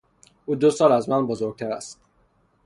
او دو سال از من بزرگتر است.